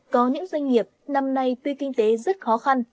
có những doanh nghiệp năm nay tuy kinh tế rất khó khăn